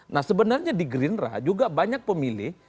nah sebenarnya di green ra juga banyak pemilih